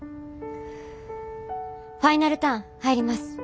ファイナルターン入ります。